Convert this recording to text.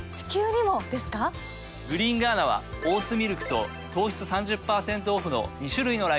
グリーンガーナはオーツミルクと糖質３０％オフの２種類のラインナップ。